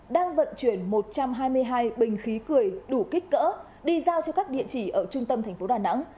đang vận chuyển một trăm hai mươi hai bình khí cười đủ kích cỡ đi giao cho các địa chỉ ở trung tâm thành phố đà nẵng